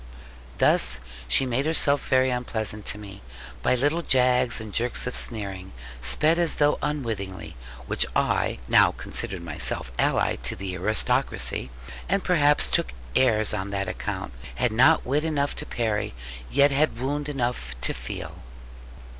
Thus she made herself very unpleasant to me; by little jags and jerks of sneering, sped as though unwittingly; which I (who now considered myself allied to the aristocracy, and perhaps took airs on that account) had not wit enough to parry, yet had wound enough to feel.